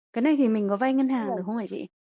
cái này thì mình có vay ngân hàng được không hả chị